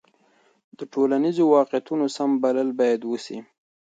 د ټولنیزو واقعیتونو سم بلل باید وسي.